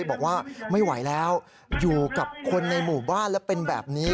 บอกว่าไม่ไหวแล้วอยู่กับคนในหมู่บ้านแล้วเป็นแบบนี้